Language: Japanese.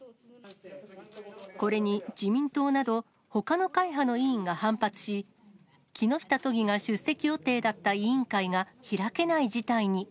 これに自民党などほかの会派の委員が反発し、木下都議が出席予定だった委員会が開けない事態に。